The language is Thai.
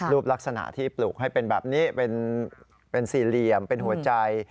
ลักษณะที่ปลูกให้เป็นแบบนี้เป็นสี่เหลี่ยมเป็นหัวใจ